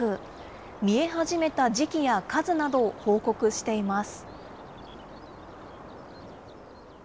見え始めた時期や数などを報告しています。